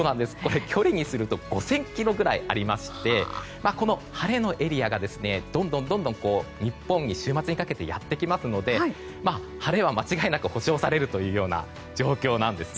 距離にすると５０００ｋｍぐらいありまして晴れのエリアがどんどん日本に、週末にかけてやってきますので、晴れは間違いなく保障される状況です。